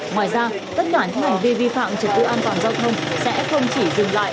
ngoài ra tất cả những hành vi vi phạm trật tự an toàn giao thông sẽ không chỉ dừng lại